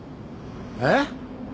えっ？